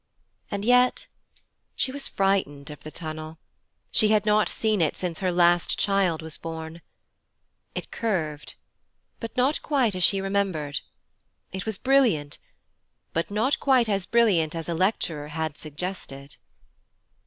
And yet she was frightened of the tunnel: she had not seen it since her last child was born. It curved but not quite as she remembered; it was brilliant but not quite as brilliant as a lecturer had suggested.